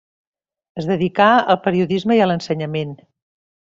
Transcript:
Es dedicà al periodisme i a l’ensenyament.